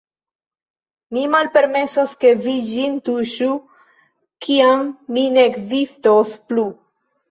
Mi malpermesos, ke vi ĝin tuŝu, kiam mi ne ekzistos plu.